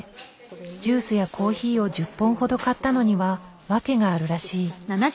ジュースやコーヒーを１０本ほど買ったのには訳があるらしい。